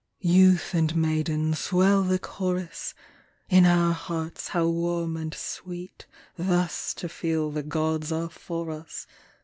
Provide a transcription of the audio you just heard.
Youth and maiden, swell the chorus 1 In our hearts how warm and sweet Thus to feel the gods are for us.